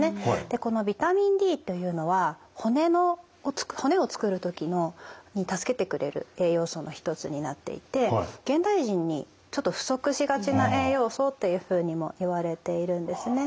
でこのビタミンＤというのは骨を作る時に助けてくれる栄養素の一つになっていて現代人にちょっと不足しがちな栄養素っていうふうにもいわれているんですね。